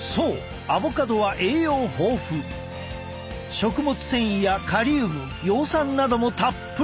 食物繊維やカリウム葉酸などもたっぷり！